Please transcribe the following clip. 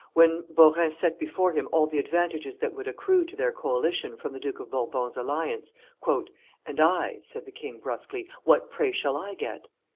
When, Beaurain set before him all the advantages that would accrue to their coalition from the Duke of Bourbon's alliance: "And I," said the king, brusquely, "what, pray, shall I get?"